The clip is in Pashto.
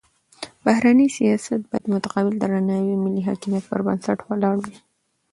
بهرنی سیاست باید د متقابل درناوي او ملي حاکمیت پر بنسټ ولاړ وي.